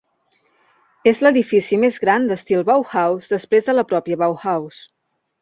És l'edifici més gran d'estil Bauhaus després de la pròpia Bauhaus.